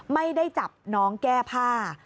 ไม่ได้จับน้องแก้ผ้า